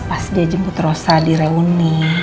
pas dia jemput rosa di reuni